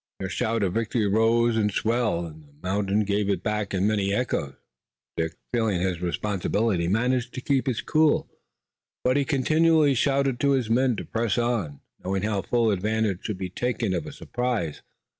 Their shout of victory rose and swelled, and the mountain gave it back in many echoes. Dick, feeling his responsibility, managed to keep cool, but he continually shouted to his men to press on, knowing how full advantage should be taken of a surprise.